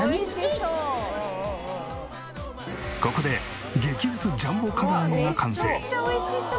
ここで激薄ジャンボ唐揚げが完成。